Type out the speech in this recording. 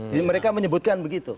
jadi mereka menyebutkan begitu